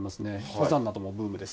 登山などもブームです。